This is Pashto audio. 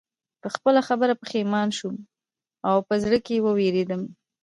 په خپله خبره پښېمانه شوم او په زړه کې ووېرېدم